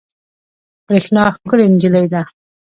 برېښنا ښکلې انجلۍ ده